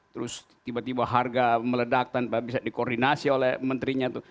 terus tiba tiba harga meledak tanpa bisa dikoordinasi oleh menterinya tuh